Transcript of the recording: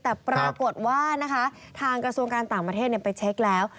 แต่ปรากฏว่านะคะทางกระทรวงการต่างประเทศไปเช็คแล้ว